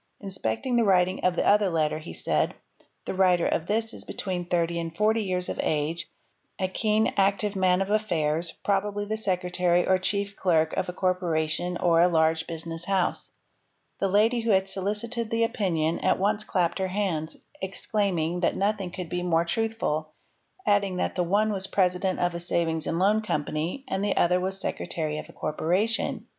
Inspecting the writing of the other letter he said, — "The writer of this is between thirty and forty years of age, a keen, active man of affairs, probably the secretary or chief clerk of a corpora tion or a large business house.'' The lady who had solicited the opinion at once clapped her hands, exclaiming that nothing could be more truthful, adding that the one was president of a savings and loan company and the other was secretary of a corporation.